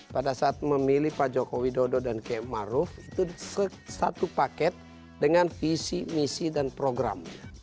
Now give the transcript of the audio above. pada saat memilih pak jokowi dodo dan km maruf itu satu paket dengan visi misi dan program